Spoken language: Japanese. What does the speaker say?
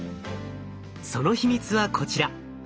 その秘密はこちら。